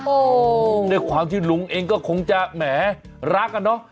โอ้โหด้วยความที่ลุงเองก็คงจะแหมรักอะเนาะ